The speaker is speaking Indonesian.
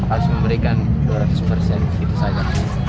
terus memberikan dua ratus persen gitu saja